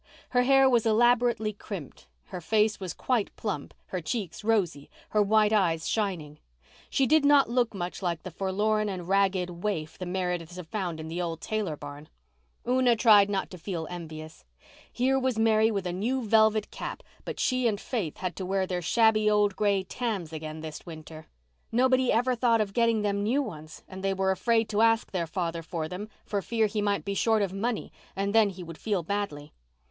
Her hair was elaborately crimped, her face was quite plump, her cheeks rosy, her white eyes shining. She did not look much like the forlorn and ragged waif the Merediths had found in the old Taylor barn. Una tried not to feel envious. Here was Mary with a new velvet cap, but she and Faith had to wear their shabby old gray tams again this winter. Nobody ever thought of getting them new ones and they were afraid to ask their father for them for fear that he might be short of money and then he would feel badly.